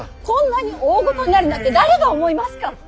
こんなに大ごとになるなんて誰が思いますか！